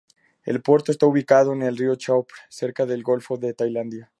El puerto está ubicado en el río Chao Phraya, cerca del Golfo de Tailandia.